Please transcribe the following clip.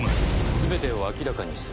「全てを明らかにする。